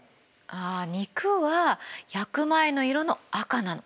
あ肉は焼く前の色の赤なの。